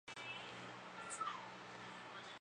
返台后任教则于台湾大学中文系。